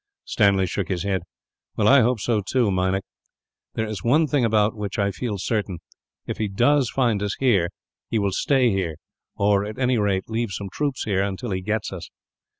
Stanley shook his head. "I hope so, too, Meinik. There is one thing about which I feel certain if he does find us here, he will stay here or, at any rate, leave some troops here, until he gets us.